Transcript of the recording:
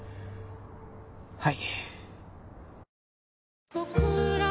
はい。